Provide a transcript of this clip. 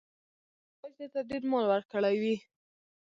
که خدای چاته ډېر مال ورکړی وي.